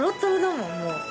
もう。